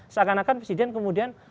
seakan akan presiden kemudian